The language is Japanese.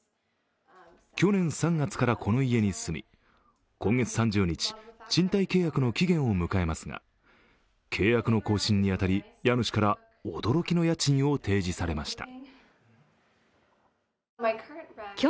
去年３月からこの家に住み今月３０日、賃貸契約の期限を迎えますが契約の更新に当たり家主から驚きの家賃を提示されました。